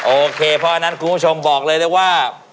โอเคเพราะฉะนั้นคุณผู้ชมบอกเลยได้ว่า